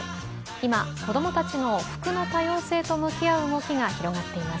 今、子供たちの服の多様性と向き合う動きが広がっています。